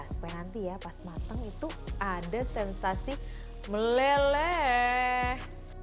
supaya nanti ya pas matang itu ada sensasi meleleh